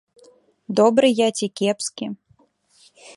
Добры я ці кепскі.